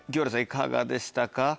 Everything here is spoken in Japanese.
いかがでしたか？